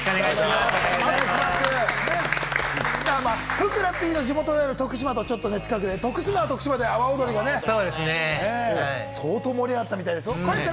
ふくらＰの地元・徳島とちょっと近くで、徳島は徳島で阿波おどりがね、相当盛り上がったみたいですね。